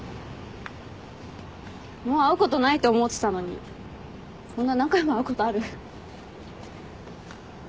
もう会うことないと思ってたのにこんな何回も会うことある？